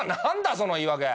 その言い訳！